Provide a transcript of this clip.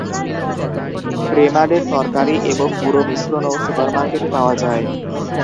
প্রেমাডের তরকারি এবং গুঁড়ো মিশ্রণও সুপারমার্কেটে পাওয়া যায়।